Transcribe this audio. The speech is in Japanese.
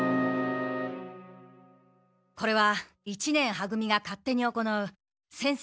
これは一年は組が勝手に行う先生